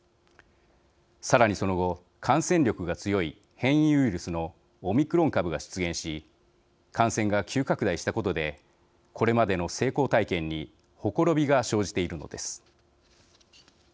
さらに、その後感染力が強い変異ウイルスのオミクロン株が出現し感染が急拡大したことでこれまでの成功体験にほころびが生じているのです。